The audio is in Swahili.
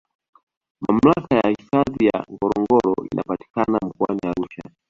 Mamlaka ya hifadhi ya Ngorongoro inapatikana mkoani Arusha